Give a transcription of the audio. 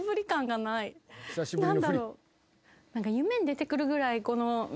何だろう？